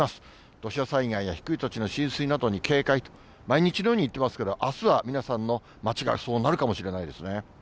土砂災害や低い土地の浸水などに警戒、毎日のように言ってますけど、あすは皆さんの街がそうなるかもしれないですね。